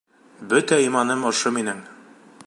Бөтә иманым ошо минең.